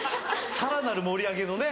さらなる盛り上げのね